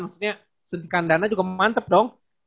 maksudnya suntikan dana juga mantep dong